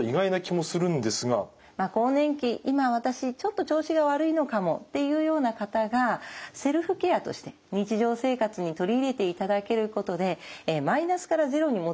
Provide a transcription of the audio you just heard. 今私ちょっと調子が悪いのかもっていうような方がセルフケアとして日常生活に取り入れていただけることでマイナスからゼロに持っていく。